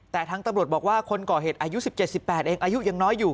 แต่ทั้งตำรวจบอกว่าคนก่อเหตุอายุ๑๗๑๘เองอายุยังน้อยอยู่